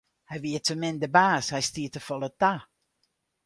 Hy wie te min de baas, hy stie te folle ta.